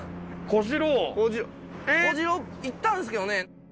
小次郎行ったんすけどね。